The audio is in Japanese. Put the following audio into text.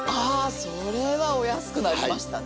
それはお安くなりましたね。